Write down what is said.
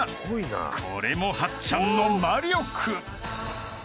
［これもはっちゃんの魔力］